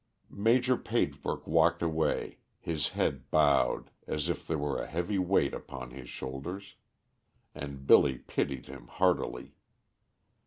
Major Pagebrook walked away, his head bowed as if there were a heavy weight upon his shoulders, and Billy pitied him heartily.